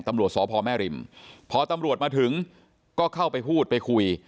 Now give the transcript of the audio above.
ตำรวจสพแม่ริมพอตำรวจมาถึงก็เข้าไปพูดไปคุย